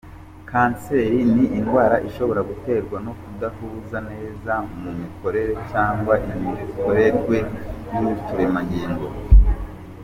Kanseri ni indwara ishobora guterwa no kudahuza neza mu mikorere cyangwa imikorerwe y’uturemangingo.